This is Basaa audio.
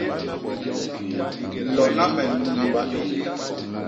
Lona me nunba i.